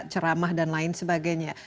ceramah dan lain sebagainya